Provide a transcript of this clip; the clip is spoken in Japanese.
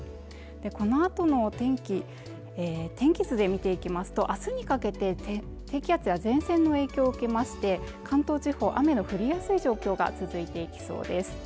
このあとの天気天気図で見ていきますとあすにかけて低気圧や前線の影響を受けまして関東地方雨の降りやすい状況が続いていきそうです